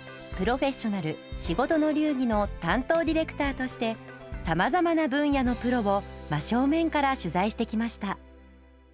「プロフェッショナル仕事の流儀」の担当ディレクターとしてさまざまな分野のプロを真正面から取材してきました。